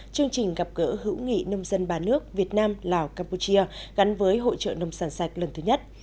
chương trình gặp gỡ hữu nghị nông dân ba nước việt nam lào campuchia gắn với hội trợ nông sản sạch lần thứ nhất